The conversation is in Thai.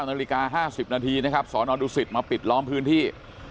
นาฬิกา๕๐นาทีนะครับสนดุสิตมาปิดล้อมพื้นที่